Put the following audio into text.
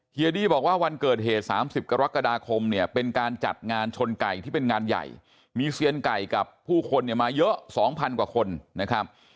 ดี้บอกว่าวันเกิดเหตุ๓๐กรกฎาคมเนี่ยเป็นการจัดงานชนไก่ที่เป็นงานใหญ่มีเซียนไก่กับผู้คนเนี่ยมาเยอะ๒๐๐กว่าคนนะครับ